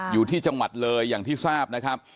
อยู่ที่จังหวัดเลยอย่างที่ทราบนะครับ